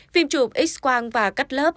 phim chụp x quang và cắt lớp